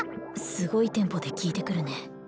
すごいテンポで聞いてくるね